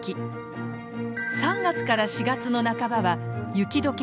３月から４月の半ばは「雪解けが輝く季節」。